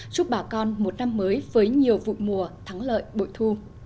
giúp bà con một năm mới với nhiều vụ mùa thắng lợi bội thu